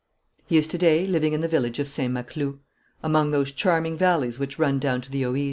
He is to day living in the village of Saint Maclou, among those charming valleys which run down to the Oise.